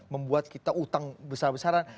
membuat kita utang besar besaran